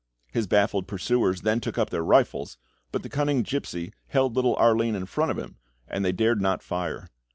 His baffled pursuers then took up their rifles, but the cunning gipsy held the little Arline in front of him, and they dared not fire.